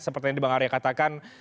seperti yang di bang arya katakan